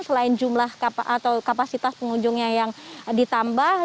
selain jumlah atau kapasitas pengunjungnya yang ditambah